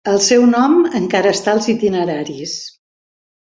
El seu nom encara està als itineraris.